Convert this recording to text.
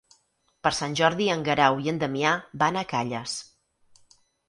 Per Sant Jordi en Guerau i en Damià van a Calles.